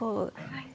はい。